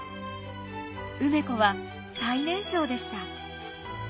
梅子は最年少でした。